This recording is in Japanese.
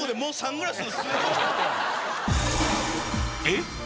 えっ？